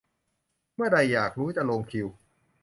เมื่อใด อยากรู้ จะลงคิว